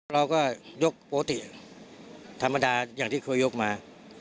เราก็ยกปกติธรรมดาอย่างที่เคยยกมา